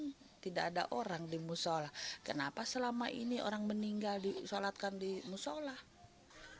tidak ada orang di musola kenapa selama ini orang meninggal disolatkan di musola